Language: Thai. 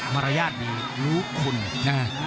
มารยาทมีรู้คุณ